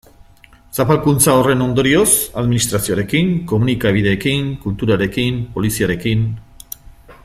Zapalkuntza horren ondorioz, administrazioarekin, komunikabideekin, kulturarekin, poliziarekin...